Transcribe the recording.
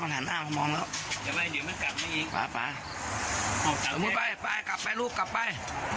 กลับไปลูกกลับไป